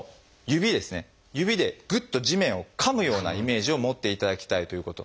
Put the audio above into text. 指でぐっと地面をかむようなイメージを持っていただきたいということ。